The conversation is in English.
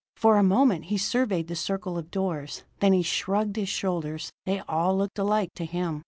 For a moment he surveyed the circle of doors: then he shrugged his shoulders. They all looked alike to him.